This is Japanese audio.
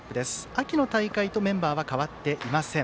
秋の大会とメンバーは変わっていません。